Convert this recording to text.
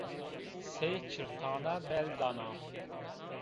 Sey çirtane bel dana